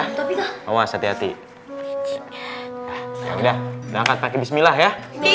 tapi tak awas hati hati udah langkah bismillah ya